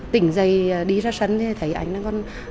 tỉnh dậy đi ra sân thì thấy anh đang còn